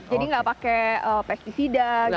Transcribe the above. jadi enggak pakai pesticida gitu ya